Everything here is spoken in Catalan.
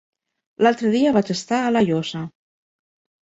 L'altre dia vaig estar a La Llosa.